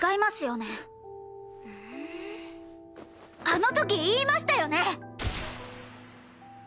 あの時言いましたよね！？